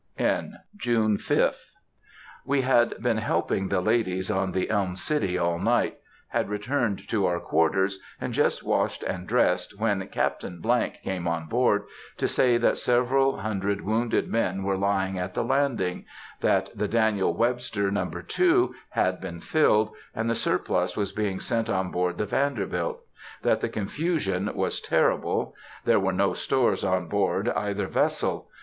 (N.) June 5th.... We had been helping the ladies on the Elm City all night, had returned to our quarters, and just washed and dressed, when Captain —— came on board, to say that several hundred wounded men were lying at the landing,—that the Daniel Webster No. 2 had been filled, and the surplus was being sent on board the Vanderbilt,—that the confusion was terrible; there were no stores on board either vessel.